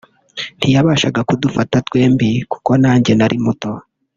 ntiyabashaga kudufata twembi kuko nanjye nari muto